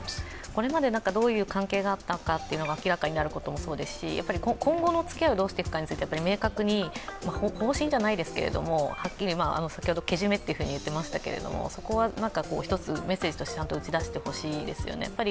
これまでどういう関係があったかというのが明らかになることもそうですし、今後のつけをどうしていくかということに関して明確に、方針じゃないですけどもはっきり、先ほどけじめと言っていましたけれども、そこは一つメッセージとしてちゃんと打ち出してほしいですよね。